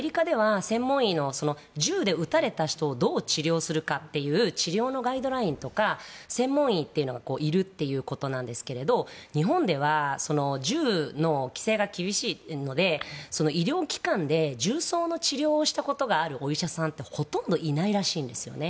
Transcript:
なのでアメリカでは専門医の銃で撃たれた人をどう治療するかというガイドラインとか専門医がいるということですが日本では銃の規制が厳しいので医療機関で銃創の治療をしたことがあるお医者さんってほとんどいないらしいんですよね。